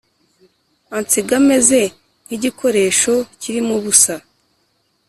Ansiga meze nk igikoresho kirimo ubusa